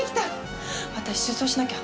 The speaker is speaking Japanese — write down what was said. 私出走しなきゃ！